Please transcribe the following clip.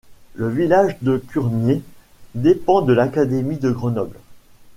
Le village de Curnier dépend de l'académie de Grenoble.